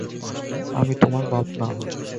আমি তোমার বাপ না।